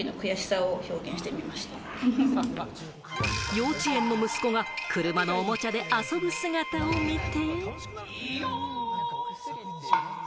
幼稚園の息子が車のおもちゃで遊ぶ姿を見て。